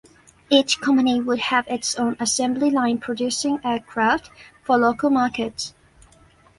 Each company would have its own assembly line producing aircraft for local markets.